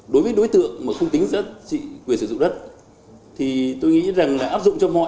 đối với đối tượng mà không tính quyền sử dụng đất thì tôi nghĩ rằng là áp dụng cho mọi